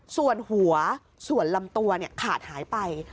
ส่วนหัวส่วนลำตัวขาดหายไป